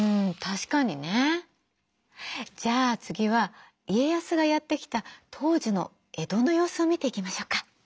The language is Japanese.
じゃあ次は家康がやって来た当時の江戸の様子を見ていきましょうか。